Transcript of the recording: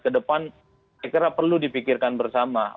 ke depan saya kira perlu dipikirkan bersama